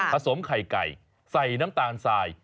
สมไข่ไก่ใส่น้ำตาลทราย